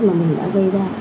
mà mình đã gây ra